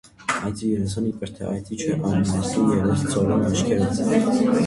Այծի երեսն իբր թե այծի չէ, այլ մարդու երես՝ ցոլուն աչքերով: